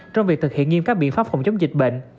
trong việc thực hiện nghiêm các biện pháp phòng chống dịch bệnh